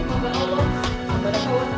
tidak aku tidak mau